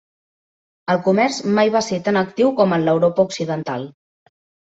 El comerç mai va ser tan actiu com en l'Europa occidental.